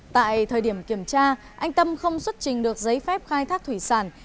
tại thời điểm kiểm tra anh tâm không xuất trình được giấy phép khai thác thủy sản